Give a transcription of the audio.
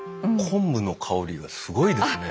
昆布の香りがすごいですね。